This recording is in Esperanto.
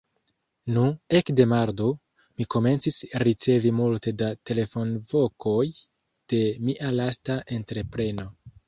Nu, ekde Mardo, mi komencis ricevi multe da telefonvokoj de mia lasta entrepreno.